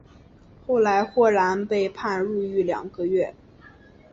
后来霍兰被判入狱两个月。